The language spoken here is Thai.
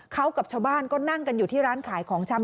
เขากับชาวบ้านก็นั่งกันอยู่ที่ร้านขายของชำ